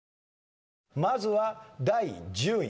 まずは第１０位。